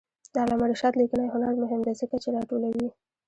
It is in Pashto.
د علامه رشاد لیکنی هنر مهم دی ځکه چې راټولوي.